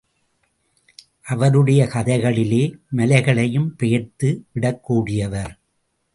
அவருடைய கதைகளிலே மலைகளையும் பெயர்த்து விடக்கூடியவர்.